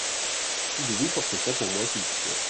Pouvez-vous porter ça pour moi s'il vous plait.